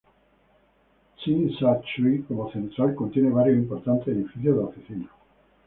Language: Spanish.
Tsim Sha Tsui, como Central, contiene varios importantes edificios de oficinas.